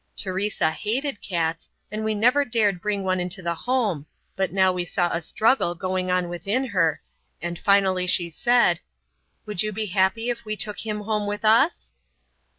Teresa hated cats, and we never dared bring one into the home, but now we saw a struggle going on within her, and finally she said, "Would you be happy if we took him home with us?"